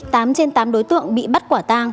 tám trên tám đối tượng bị bắt quả tang